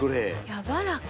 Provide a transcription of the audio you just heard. やわらか。